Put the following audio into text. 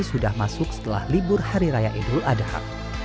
sudah masuk setelah libur hari raya idul adha